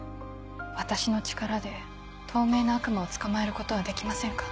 私の力で透明な悪魔を捕まえることはできませんか？